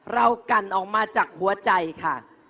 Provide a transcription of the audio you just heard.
กันออกมาจากหัวใจค่ะ